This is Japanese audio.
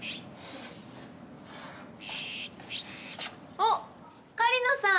あっ狩野さん！